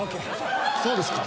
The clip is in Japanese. そうですか。